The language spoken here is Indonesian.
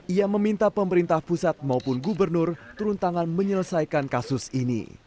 ia meminta pemerintah pusat maupun gubernur turun tangan menyelesaikan kasus ini